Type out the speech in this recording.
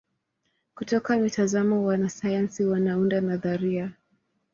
Kutoka mitazamo wanasayansi wanaunda nadharia.